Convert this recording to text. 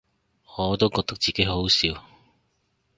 我都覺得自己好好笑